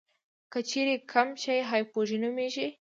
که چیرې کم شي هایپوژي نومېږي.